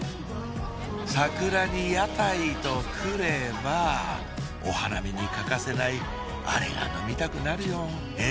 桜に屋台とくればお花見に欠かせないアレが飲みたくなるよえ？